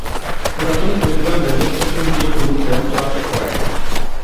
পুরাতন Kurigram railway station দিয়ে কোন ট্রেন চলাচল করে না।